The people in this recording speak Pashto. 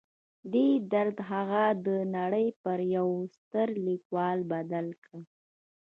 دې درد هغه د نړۍ پر یوه ستر لیکوال بدل کړ